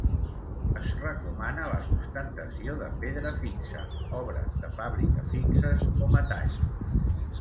Es recomana la sustentació de pedra fixa, obres de fàbrica fixes o metall.